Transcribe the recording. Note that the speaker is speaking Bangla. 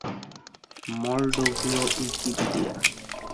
মলডোভীয় উইকিপিডিয়া